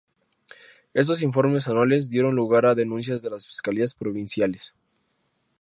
Estos informes anuales dieron lugar a denuncias de las Fiscalías provinciales